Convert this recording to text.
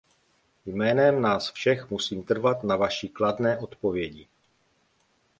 Jménem nás všech musím trvat na vaší kladné odpovědi.